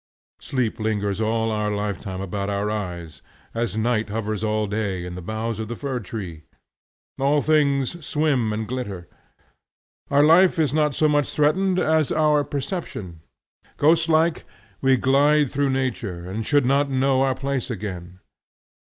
Sleep lingers all our lifetime about our eyes, as night hovers all day in the boughs of the fir tree. All things swim and glitter. Our life is not so much threatened as our perception. Ghostlike we glide through nature, and should not know our place again.